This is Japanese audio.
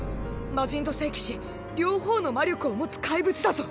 魔神と聖騎士両方の魔力を持つ怪物だぞ。